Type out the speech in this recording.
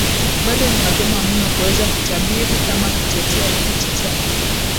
bado ni mapema mno kuweza kutabiri kama kutetea kiti cha